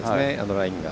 ラインが。